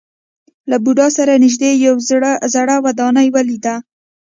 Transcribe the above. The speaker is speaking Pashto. له بودا سره نژدې یوه زړه ودانۍ ولیده.